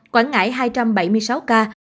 quảng ngãi hai trăm bảy mươi sáu ca